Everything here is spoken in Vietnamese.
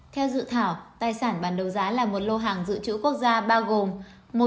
theo dự thảo tài sản bàn đầu giá là một lô hàng dự trữ quốc gia bao gồm